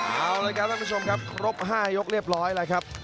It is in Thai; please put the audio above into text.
เอาละครับท่านผู้ชมครับครบ๕ยกเรียบร้อยแล้วครับ